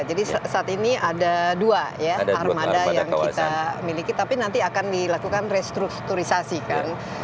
jadi saat ini ada dua ya armada yang kita miliki tapi nanti akan dilakukan restrukturisasi kan